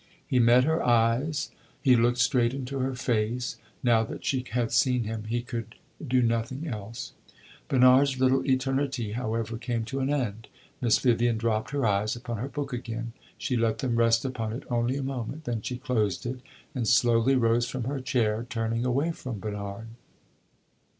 He met her eyes, he looked straight into her face; now that she had seen him he could do nothing else. Bernard's little eternity, however, came to an end; Miss Vivian dropped her eyes upon her book again. She let them rest upon it only a moment; then she closed it and slowly rose from her chair, turning away from Bernard.